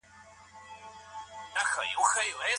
دا وطن داسي وطن نه دئ اشنايه !